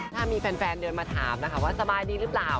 ถ้ามีแฟนเดินมาถามนะคะว่าสบายดีหรือเปล่า